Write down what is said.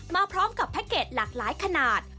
มาพร้อมกับแพ็คเกจหลากหลายขนาด